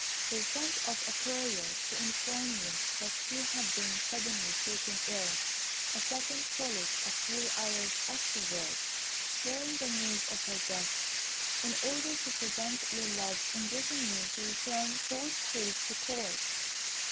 They sent off a courier to inform you that she had been suddenly taken ill; a second followed a few hours afterwards, bearing the news of her death, in order to prevent your love inducing you to return post haste to Court.